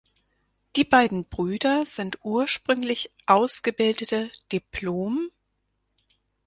Die beiden Brüder sind ursprünglich ausgebildete dipl.